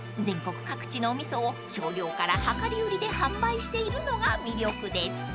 ［全国各地のお味噌を少量から量り売りで販売しているのが魅力です］